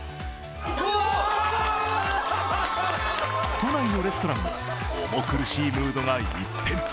都内のレストランも重苦しいムードが一変。